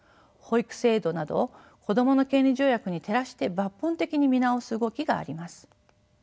保育制度などを子どもの権利条約に照らして抜本的に見直す動きがあります。